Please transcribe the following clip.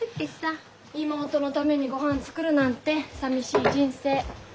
妹のためにごはん作るなんてさみしい人生。